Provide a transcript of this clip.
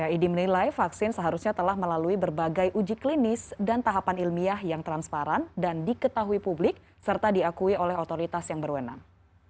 idi menilai vaksin seharusnya telah melalui berbagai uji klinis dan tahapan ilmiah yang transparan dan diketahui publik serta diakui oleh otoritas yang berwenang